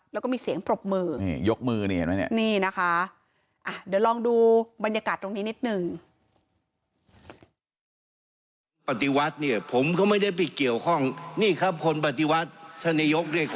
แล้วก็มีเสียงปรบมือนี่ยกมือเห็นไหมเนี่ยนี่นะคะ